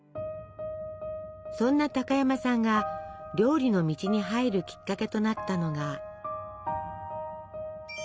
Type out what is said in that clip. そんな高山さんが料理の道に入るきっかけとなったのが。